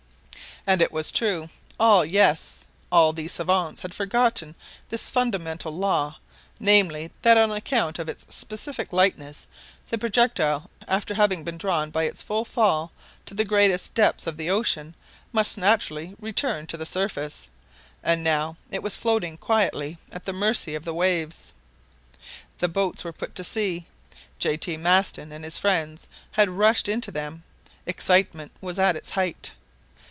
And it was true! All, yes! all these savants had forgotten this fundamental law, namely, that on account of its specific lightness, the projectile, after having been drawn by its fall to the greatest depths of the ocean, must naturally return to the surface. And now it was floating quietly at the mercy of the waves. The boats were put to sea. J. T. Maston and his friends had rushed into them! Excitement was at its height!